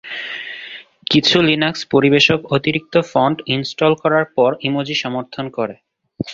কিছু লিনাক্স পরিবেশক অতিরিক্ত ফন্ট ইনস্টল করার পর ইমোজি সমর্থন করে।